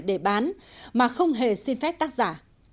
để bán mà không hề xin phép tác giả